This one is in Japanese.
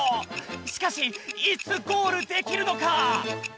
しかしいつゴールできるのか？